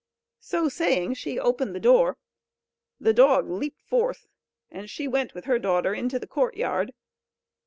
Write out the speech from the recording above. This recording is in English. '" So saying she opened the door; the dog leaped forth; and she went with her daughter into the courtyard.